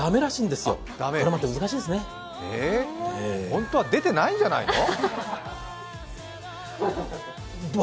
本当は出てないんじゃないの？